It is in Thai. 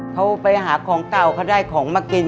เขาไปหาของเก่าเขาได้ของมากิน